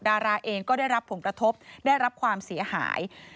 ดาราเองก็ได้รับผลกระทบได้รับความเสียหาย